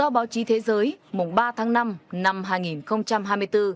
tự do báo chí thế giới mùng ba tháng năm năm hai nghìn hai mươi bốn